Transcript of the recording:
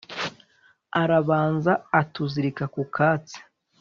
arabanza atuzirika ku katsi